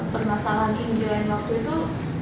permasalahan ini di lain waktu itu